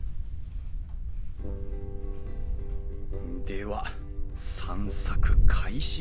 では散策開始！